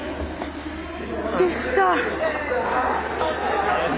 できた。